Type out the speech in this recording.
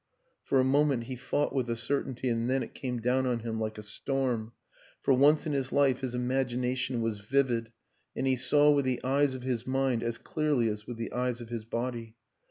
... For a moment he fought with the certainty, and then it came down on him like a storm: for once in his life his imagination was vivid, and he saw with the eyes of his mind as clearly as with the eyes of his body.